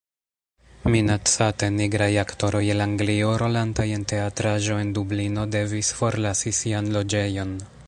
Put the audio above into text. Minacate, nigraj aktoroj el Anglio, rolantaj en teatraĵo en Dublino, devis forlasi sian loĝejon.